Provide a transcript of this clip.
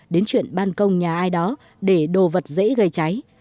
đến chuyện ban công nhà ai đó để đồ vật dễ gây cháy